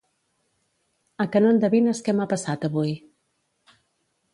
A que no endevines què m'ha passat avui?